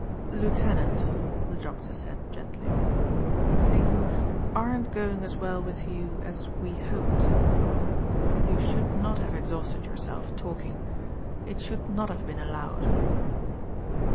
"Lieutenant," the doctor said gently, "things aren't going as well with you as we hoped. You should not have exhausted yourself talking. It should not have been allowed."